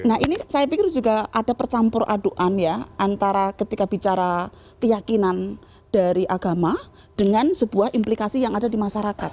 nah ini saya pikir juga ada percampur aduan ya antara ketika bicara keyakinan dari agama dengan sebuah implikasi yang ada di masyarakat